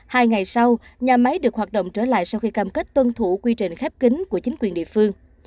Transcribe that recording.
hai ngày sau nhà máy được hoạt động trở lại sau khi cam kết tuân thủ quy trình khép kính của chính quyền địa phương